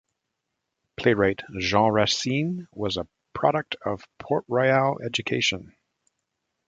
Playwright Jean Racine was a product of Port-Royal education.